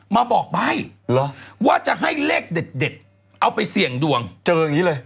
มาบอกใบ้ว่าจะให้เลขเด็ดเอาไปเสี่ยงดวงเจออย่างนี้เลย